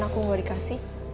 aku gak dikasih